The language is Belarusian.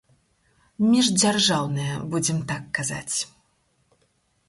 Міждзяржаўныя, будзем так казаць.